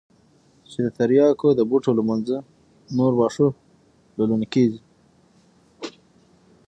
چې د ترياکو د بوټو له منځه نور واښه للون کېږي.